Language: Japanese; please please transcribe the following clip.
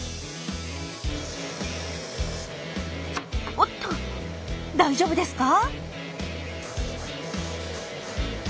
おっと大丈夫ですか？